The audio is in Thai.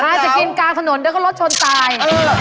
อาจจะกินกลางถนนเดี๋ยวก็รถชนตาย